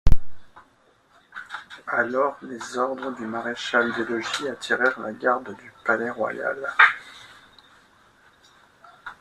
Alors les ordres du maréchal des logis attirèrent la garde du Palais-Royal.